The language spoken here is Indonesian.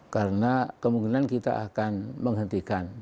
karena kemungkinan kita akan menghentikan